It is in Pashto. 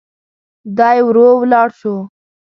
دی ورو ولاړ شو.